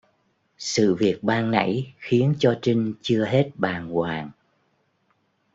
Sự việc ban nãy khiến cho Trinh chưa hết bàng hoàng